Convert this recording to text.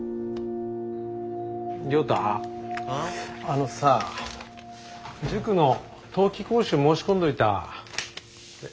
あのさ塾の冬季講習申し込んどいた。